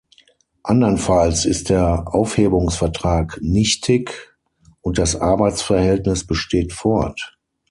Andernfalls ist der Aufhebungsvertrag nichtig und das Arbeitsverhältnis besteht fort.